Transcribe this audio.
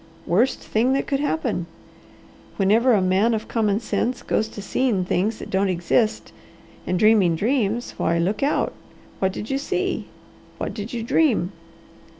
Worst thing that could happen! Whenever a man of common sense goes to seeing things that don't exist, and dreaming dreams, why look out! What did you see? What did you dream?"